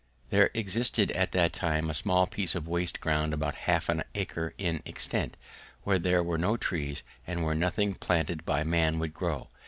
There existed at that time a small piece of waste ground about half an acre in extent, where there were no trees and where nothing planted by man would grow.